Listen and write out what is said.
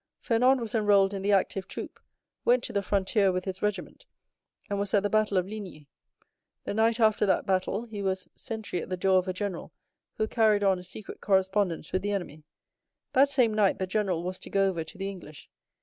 Fernand was enrolled in the active army, went to the frontier with his regiment, and was at the battle of Ligny. The night after that battle he was sentry at the door of a general who carried on a secret correspondence with the enemy. That same night the general was to go over to the English.